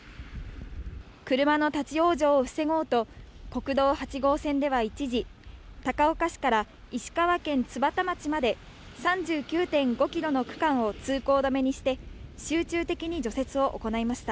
車の立往生を防ごうと、国道８号線では一時、高岡市から石川県津幡町まで、３９．５キロの区間を通行止めにして、集中的に除雪を行いました。